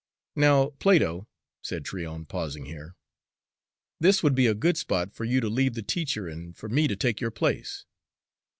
"Now, Plato," said Tryon, pausing here, "this would be a good spot for you to leave the teacher and for me to take your place.